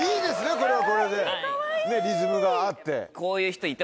これはこれでリズムがあって。